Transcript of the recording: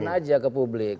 ujungkan aja ke publik